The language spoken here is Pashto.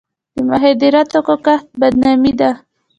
د مخدره توکو کښت بدنامي ده.